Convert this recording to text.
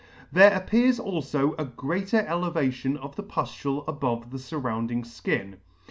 There appears alfo a greater elevation of the puflule above the furrounding (kin.